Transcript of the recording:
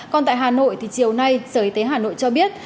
còn tại hà nội thì chiều nay sở y tế hà nội cho biết